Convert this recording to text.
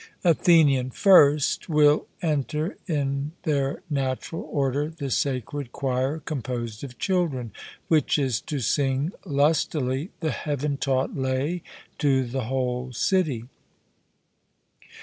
ATHENIAN: First will enter in their natural order the sacred choir composed of children, which is to sing lustily the heaven taught lay to the whole city.